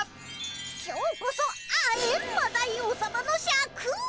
今日こそあエンマ大王さまのシャクを。